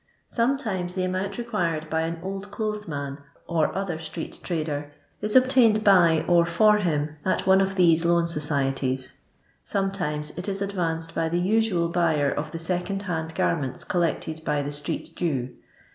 Sometimes the amount required by an old clothes man, or other street trader, is obtained by or for him at one of these loan societies. Sometimes it is advanced by the usual buyer of the second hand garments collected by the street Jew.